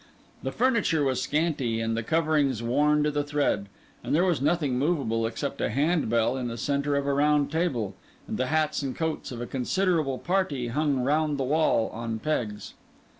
The furniture was scanty, and the coverings worn to the thread; and there was nothing movable except a hand bell in the centre of a round table, and the hats and coats of a considerable party hung round the wall on pegs.